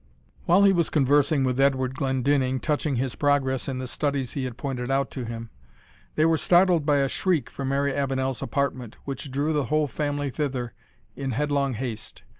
While he was conversing with Edward Glendinning touching his progress in the studies he had pointed out to him, they were startled by a shriek from Mary Avenel's apartment, which drew the whole family thither in headlong haste.